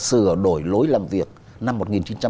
sửa đổi lối làm việc năm một nghìn chín trăm bốn mươi bảy